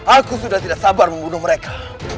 aku sudah tidak sabar membunuh mereka